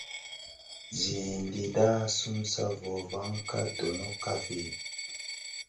Zin lida sum sa vuŋa ka dono kafi ?